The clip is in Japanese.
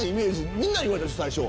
みんなに言われたでしょ？